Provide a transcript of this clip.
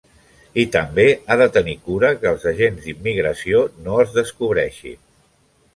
I també ha de tenir cura que els agents d'immigració no els descobreixin.